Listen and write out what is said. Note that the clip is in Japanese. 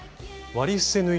割り伏せ縫い。